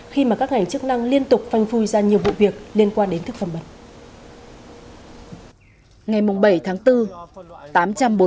khi mà các ngành chức năng liên tục phanh phui ra nhiều vụ việc liên quan đến thực phẩm bẩn